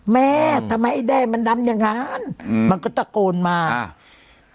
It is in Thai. แม่ทำไมไอ้แด้มันดำอย่างงั้นอืมมันก็ตะโกนมาอ่า